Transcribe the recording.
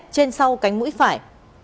trên sau cánh mũi phải